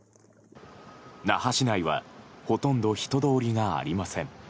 那覇市内はほとんど人通りがありません。